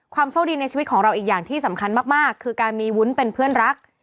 โชคดีในชีวิตของเราอีกอย่างที่สำคัญมากคือการมีวุ้นเป็นเพื่อนรัก